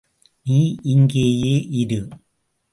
நீ இங்கேயே இரு.